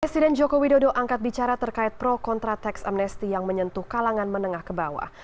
presiden jokowi dodo angkat bicara terkait pro kontra tax amnesty yang menyentuh kalangan menengah ke bawah